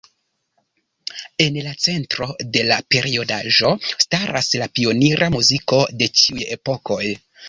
En la centro de la periodaĵo staras la pionira muziko de ĉiuj epokoj.